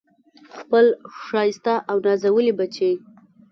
خپل ښایسته او نازولي بچي